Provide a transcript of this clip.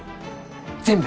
全部。